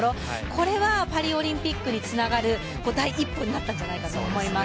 これはパリオリンピックにつながる第一歩になったんじゃないかと思います。